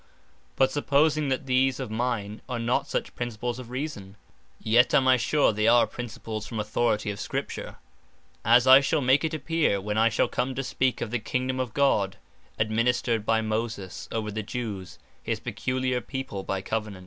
But supposing that these of mine are not such Principles of Reason; yet I am sure they are Principles from Authority of Scripture; as I shall make it appear, when I shall come to speak of the Kingdome of God, (administred by Moses,) over the Jewes, his peculiar people by Covenant.